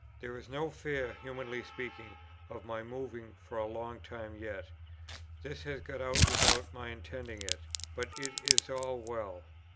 There is no fear (humanly speaking) of my moving for a long time yet. This has got out without my intending it; but it is all well.